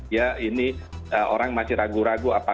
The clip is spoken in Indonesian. ya ini orang masih ragu ragu apa